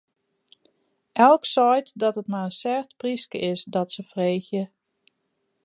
Elk seit dat it mar in sêft pryske is, dat se freegje.